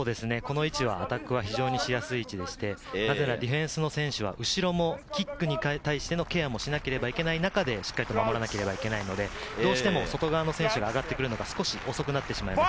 アタックしやすい位置でして、なぜならディフェンスの選手は後ろもキックに対してのケアもしなければいけない中で、守らなければいけないので、外側の選手が上がってくるのが少し遅くなってしまいます。